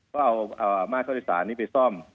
ก็เอามาตรเข้าโดยสารนี้ไปซ่อม